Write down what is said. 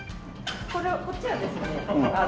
これこっちはですね